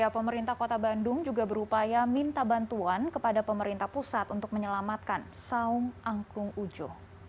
pemerintah kota bandung juga berupaya minta bantuan kepada pemerintah pusat untuk menyelamatkan saung angklung ujo